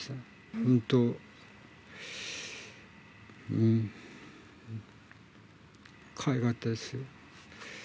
本当、かわいかったですよ。